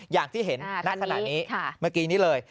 อย่างที่เห็นณขณะนี้เมื่อกี้นี้เลย